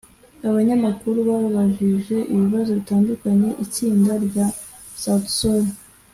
Abanyamakuru babajije ibibazo bitandukanye itsinda rya Sout Sol